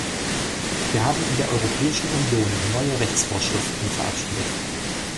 Wir haben in der Europäischen Union neue Rechtsvorschriften verabschiedet.